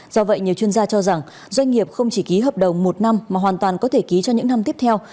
do vậy nhiều chuyên gia cho rằng doanh nghiệp không chỉ ký hợp đồng một năm mà hoàn toàn có thể ký cho những năm tiếp theo